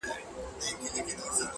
د حالاتو د گردو له تکثره~